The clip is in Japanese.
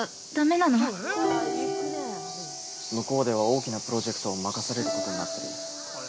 ◆向こうでは、大きなプロジェクトを任されることになった。